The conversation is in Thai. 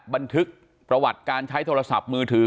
บันทึกประวัติการใช้โทรศัพท์มือถือ